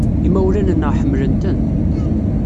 Imawlan-nneɣ ḥemmlen-ten.